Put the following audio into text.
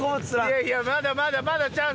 いやいやまだまだまだチャンスある。